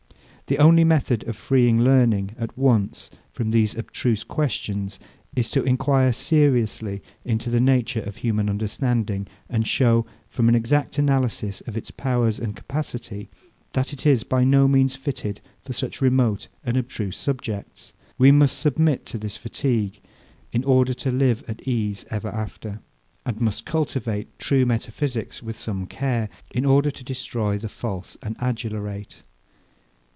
The only method of freeing learning, at once, from these abstruse questions, is to enquire seriously into the nature of human understanding, and show, from an exact analysis of its powers and capacity, that it is by no means fitted for such remote and abstruse subjects. We must submit to this fatigue, in order to live at ease ever after: And must cultivate true metaphysics with some care, in order to destroy the false and adulterate.